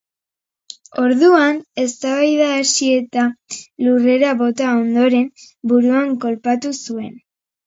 Orduan, eztabaida hasi eta, lurrera bota ondoren, buruan kolpatu zuen.